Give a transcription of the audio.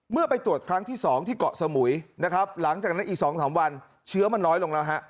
ไปตรวจครั้งที่๒ที่เกาะสมุยนะครับหลังจากนั้นอีก๒๓วันเชื้อมันน้อยลงแล้วฮะ